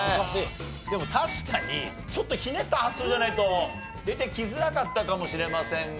でも確かにちょっとひねった発想じゃないと出てきづらかったかもしれませんが。